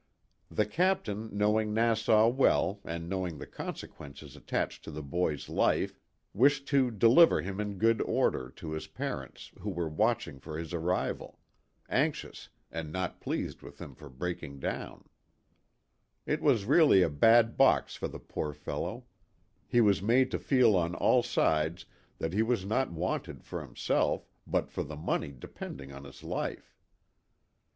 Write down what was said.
The captain knowing Nassau well and know ing the consequences attached to the boy's life wished to "deliver him in good order" to his parents who were watching for his arrival ; anxious, and not pleased with him for breaking down. THE TWO WILLS. 125 It was really a bad box for the poor fellow ; he was made to feel on all sides that he was not wanted for himself but for the money depending on his life.